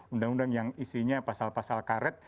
undang undang yang isinya pasal pasal karet